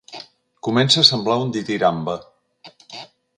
Comença a sembla un ditirambe.